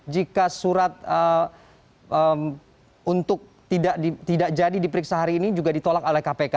jika surat untuk tidak jadi diperiksa hari ini juga ditolak oleh kpk